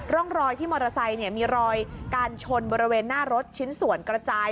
ร่องรอยที่มอเตอร์ไซค์มีรอยการชนบริเวณหน้ารถชิ้นส่วนกระจาย